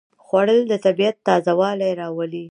خوړل د طبیعت تازهوالی راولي